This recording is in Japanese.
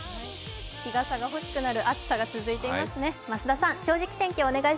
日傘が欲しくなる暑さが続いていますね。